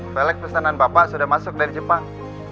pelek pesanan bapak sudah masuk dari jepang